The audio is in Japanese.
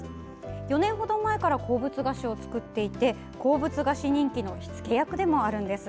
４年ほど前から鉱物菓子を作っていて鉱物菓子人気の火付け役でもあるんです。